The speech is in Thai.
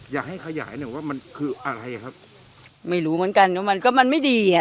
อยากให้ขยายหน่อยว่ามันคืออะไรอ่ะครับไม่รู้เหมือนกันว่ามันก็มันไม่ดีอ่ะ